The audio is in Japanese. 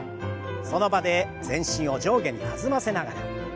その場で全身を上下に弾ませながら。